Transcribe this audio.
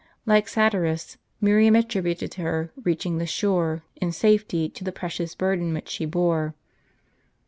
Like Satyrus, Miriam attrib uted her reaching the shoi e in safety to the precious burden which she bore.